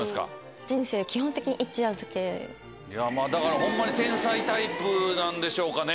だからホンマに天才タイプなんでしょうかね？